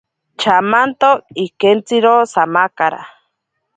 Chamanto ikentziro samakara.